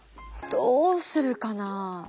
どうするかな？